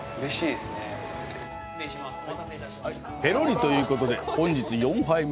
ぺろりということで、本日４杯目。